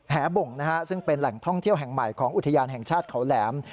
แหบ่งซึ่งเป็นแหล่งท่องเที่ยวแห่งใหม่ของอุทยานแห่งชาติเขาแหลม